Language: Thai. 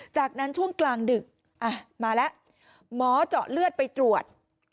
จากนั้นช่วงกลางดึกมาแล้วหมอเจาะเลือดไปตรวจ